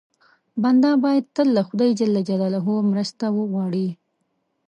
بنده باید تل له خدای ج مرسته وغواړي.